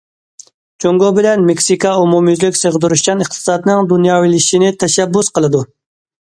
جۇڭگو بىلەن مېكسىكا ئومۇميۈزلۈك، سىغدۇرۇشچان ئىقتىسادنىڭ دۇنياۋىلىشىشىنى تەشەببۇس قىلىدۇ.